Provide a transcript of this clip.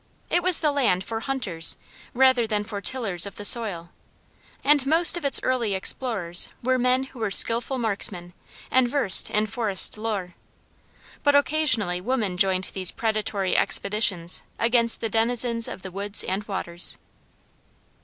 It was the land for hunters rather than for tillers of the soil, and most of its early explorers were men who were skillful marksmen, and versed in forest lore. But occasionally women joined these predatory expeditions against the denizens of the woods and waters.